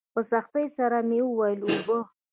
په سختۍ سره مې وويل اوبه.